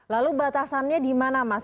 lalu batasannya di mana mas